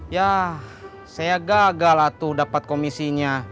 ya saya gagal atuh dapet komisinya